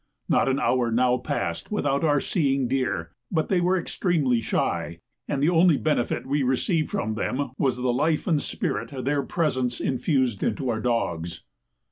Not an hour now passed without our seeing deer; but they were extremely shy, and the only benefit we received from them was the life and spirit their presence infused into our dogs.